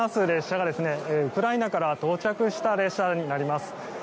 列車がウクライナから到着した列車になります。